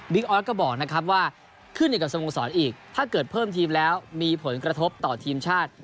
ออสก็บอกนะครับว่าขึ้นอยู่กับสโมสรอีกถ้าเกิดเพิ่มทีมแล้วมีผลกระทบต่อทีมชาติ